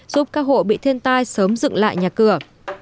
giúp các hộ bị thiên tai sớm dựng lại nhà cửa